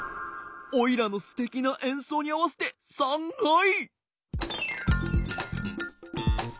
オイラのすてきなえんそうにあわせてさんはい！